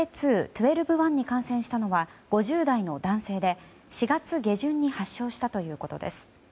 ２．１２．１に感染したのが５０代の男性で、４月下旬に発症したということです。